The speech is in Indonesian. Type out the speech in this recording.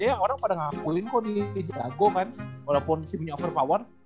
ya orang pada ngakuin kok dia jago kan walaupun dia punya over power